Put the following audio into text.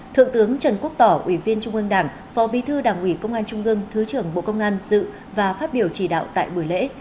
thượng tướng trần quốc tỏ ủy viên trung ương đảng phó bí thư đảng ủy công an trung ương thứ trưởng bộ công an dự và phát biểu chỉ đạo tại buổi lễ